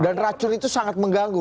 dan racun itu sangat mengganggu